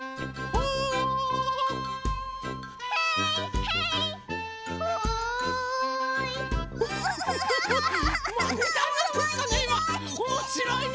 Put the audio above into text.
おもしろいね。